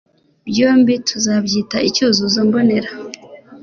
byombi tuzabyita icyuzuzo mbonera